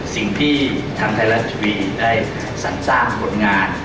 สิ่งที่ทางไทยรัฐทีวีได้สรรสร้างผลงาน